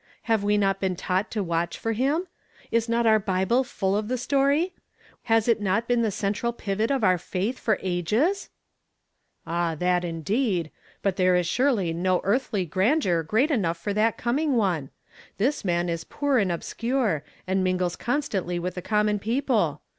Have we not been taught to watch for him ? Is not our Bible full of the story? Has it not been the central pivot of our faith for ages ?"'• Ah, that indeed ! But there is surely no earthly grandeur great enough for that < owning One. This man is poor and obscure, and mingles constantly with the common people.